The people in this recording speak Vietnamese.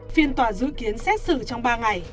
phiên tòa dự kiến xét xử trong ba ngày